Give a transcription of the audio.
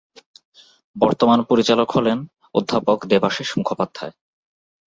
বর্তমান পরিচালক হলেন "অধ্যাপক দেবাশীষ মুখোপাধ্যায়"।